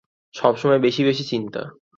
সবসময় বেশি বেশি চিন্তা।